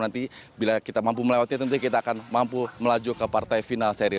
nanti bila kita mampu melewati tentu kita akan mampu melaju ke partai final seri